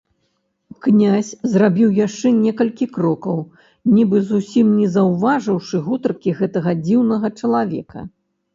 Князь зрабіў яшчэ некалькі крокаў, нібы зусім не заўважыўшы гутаркі гэтага дзіўнага чалавека.